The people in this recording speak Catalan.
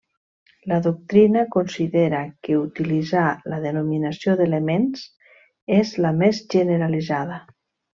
La doctrina considera que utilitzar la denominació d'elements és la més generalitzada.